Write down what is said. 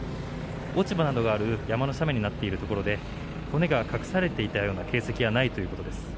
落ち葉などがある山の斜面になっているところで骨が隠されていたような形跡はないということです。